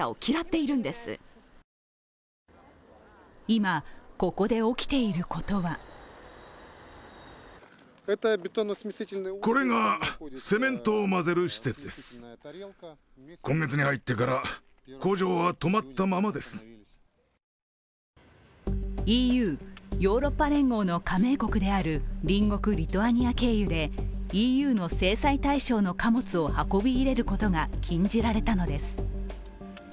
今、ここで起きていることはＥＵ＝ヨーロッパ連合の加盟国である隣国リトアニア経由でＥＵの制裁対象の貨物を運び入れることが禁じられたのです。